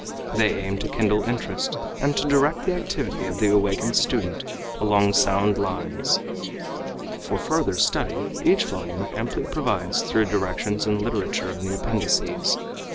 They aim to kindle interest and to direct the activity of the awakened student along sound lines. For further study each volume amply provides through directions and literature in the appendices.